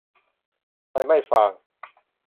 ไฟไหม้ฟาง